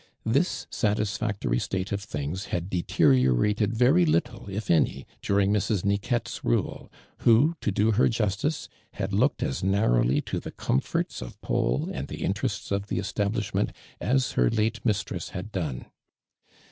This satis factory state of things had deteriorated very little, if any, during Mrs. Niquette's rule, who, to do her justice, had looked as narrowly to the comforts of Paul and the interests of the establishment, as her late mistress had done.